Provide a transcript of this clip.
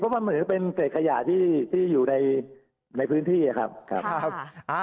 เพราะมันเหมือนจะเป็นเศษขยะที่อยู่ในพื้นที่ครับ